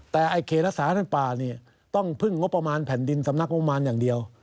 แต่ไอ้เขตรักษาพันธ์ป่าเนี่ยต้องพึ่งงบประมาณแผ่นดินสำนักงบประมาณอย่างเดียว